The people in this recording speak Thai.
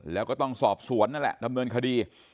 แล้วก็ต้องสอบสวนนั่นแหละดำเนินคดี